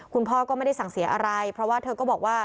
คุณพ่อก็ไม่ได้สั่งเสียอะไรเพราะว่าเธอก็บอกว่า